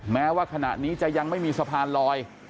แม้ว่าขณะนี้จะยังไม่มีสะพานลอย